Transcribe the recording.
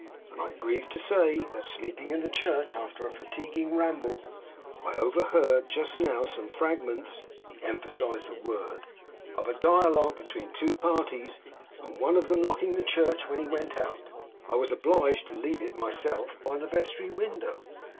I grieve to say that sleeping in the church after a fatiguing ramble, I overheard just now some fragments,' he emphasised that word, 'of a dialogue between two parties; and one of them locking the church when he went out, I was obliged to leave it myself by the vestry window.